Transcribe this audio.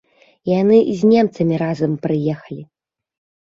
Яны з немцамі разам прыехалі.